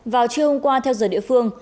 vào chiều hôm qua theo giờ địa phương